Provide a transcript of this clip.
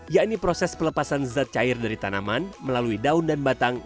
yakni proses pelepasan zat cair dari tanaman melalui daun dan batang